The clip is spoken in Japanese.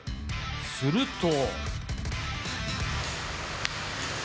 すると。